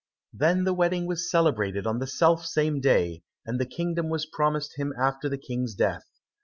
Then the wedding was celebrated on the self same day, and the kingdom was promised him after the King's death.